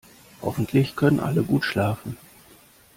Hoffentlich können alle gut schlafen.